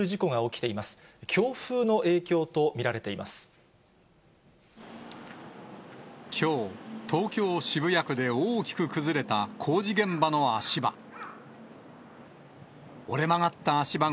きょう、東京・渋谷区で大きく崩れた工事現場の足場。